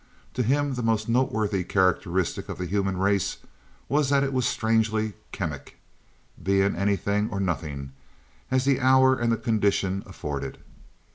To him the most noteworthy characteristic of the human race was that it was strangely chemic, being anything or nothing, as the hour and the condition afforded.